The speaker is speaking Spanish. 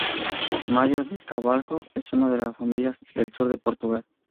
Mário de Carvalho es de una familia del Sur de Portugal.